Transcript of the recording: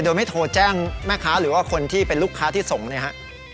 โดยไม่โทรแจ้งแม่ค้าหรือว่าคนที่เป็นลูกค้าที่ส่งเนี่ยฮะ